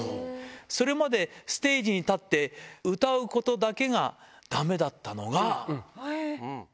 それまでステージに立って歌うことだけがだめだったのが。